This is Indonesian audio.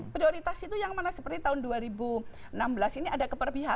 prioritas itu yang mana seperti tahun dua ribu enam belas ini ada keperpihakan juga sebenarnya ke kementerian